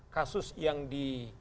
kasus yang di